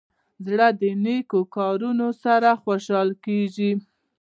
زړه د نیکو کارونو سره خوشحاله کېږي.